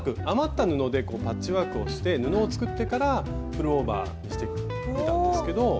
余った布でパッチワークをして布を作ってからプルオーバーにしてみたんですけど。